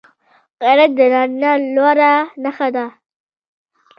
غیرت د نارینه لوړه نښه ده